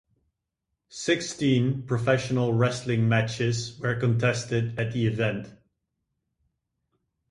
Sixteen professional wrestling matches were contested at the event.